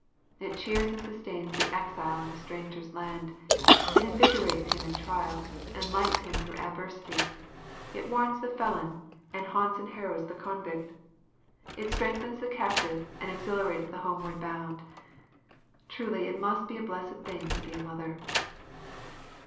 It cheers and sustains the exile in a stranger's land; it invigorates him in trial, and lights him through adversity; it warns the felon, and haunts and harrows the convict; it strengthens the captive, and exhilarates the homeward bound. Truly must it be a blessed thing to be a mother!"